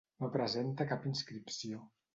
No presenta cap inscripció.